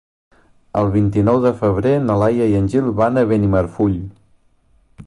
El vint-i-nou de febrer na Laia i en Gil van a Benimarfull.